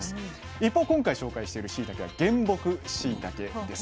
一方今回紹介しているしいたけは原木しいたけです。